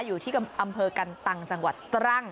อยู่ที่อำเภอกันตังจังหวัดตรัง